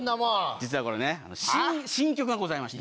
実はこれね新曲がございまして。